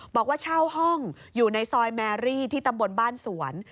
บอกว่าเช่าห้องอยู่ในซอยแมรี่ที่ตำบลบ้านสวน